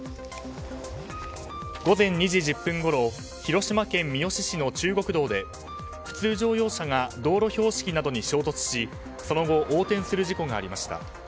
午前２時１０分ごろ広島県三次市の中国道で普通乗用車が道路標識などに衝突しその後横転する事故がありました。